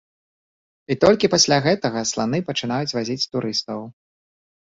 І толькі пасля гэтага сланы пачынаюць вазіць турыстаў.